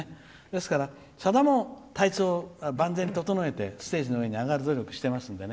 ですから、さだも体調を万全に整えてステージの上に上がる努力してますから。